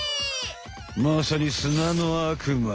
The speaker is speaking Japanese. まさにすなの悪魔。